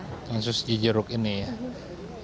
langsung sejujuruk ini ya